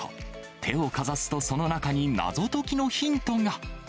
手をかざすと、その中に謎解きのヒントが。